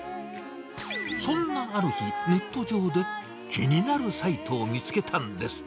そんなある日、ネット上で、気になるサイトを見つけたんです。